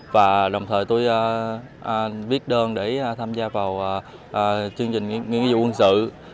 và đồng thời tôi viết đơn để tham gia vào chương trình nghiên cứu quân sự